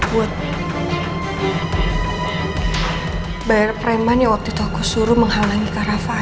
buat bayar preman yang waktu itu aku suruh menghalangi ke rafa elman